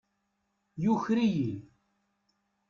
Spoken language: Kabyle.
Yuker-iyi.